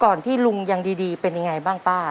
ที่ลุงยังดีเป็นยังไงบ้างป้า